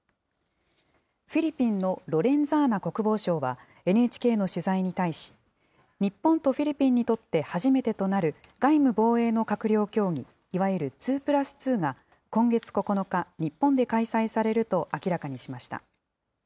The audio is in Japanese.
フィリピンのロレンザーナ国防相は、ＮＨＫの取材に対し、日本とフィリピンにとって初めてとなる外務・防衛の閣僚協議、いわゆる２プラス２が、今月９日、日本で開催されると明らかにしました。